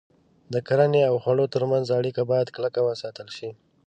د کرنې او خوړو تر منځ اړیکه باید کلکه وساتل شي.